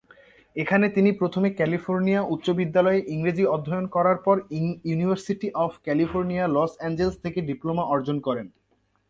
এখানে তিনি প্রথমে ক্যালিফোর্নিয়া উচ্চ বিদ্যালয়ে ইংরেজি অধ্যয়ন করার পর university of California, Los Angeles থেকে ডিপ্লোমা অর্জন করেন।